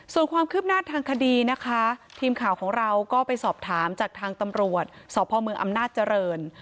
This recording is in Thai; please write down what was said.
ส่วนความคืบหน้าทางคดีนะคะทีมข่าวของเราก็ไปสอบถามจากทางตำรวจสพเมืองอำนาจเจริญ